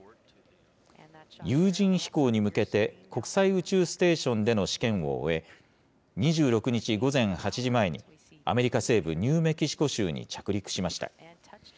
有人飛行に向けて国際宇宙ステーションでの試験を終え、２６日午前８時前に、アメリカ西部ニューメキシコ州に着陸しました。